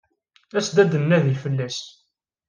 As-d ad d-nnadi fell-as.